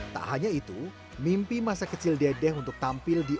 tak hanya itu mimpi masa kecil dedeh untuk tampil di